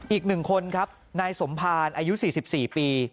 อีก๑คนครับนายสมภารอายุ๔๔ปี